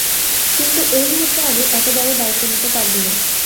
কিন্তু এই মুহুর্তে আমি এত বড় দায়িত্ব নিতে পারবো না।